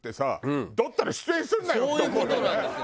そういう事なんですよ。